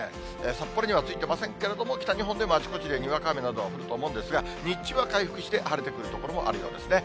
札幌にはついてませんけれども、北日本であちこちでにわか雨などが降ると思うんですが、日中は回復して晴れてくる所もあるようですね。